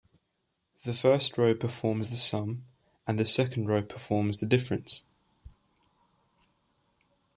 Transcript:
The first row performs the sum, and the second row performs the difference.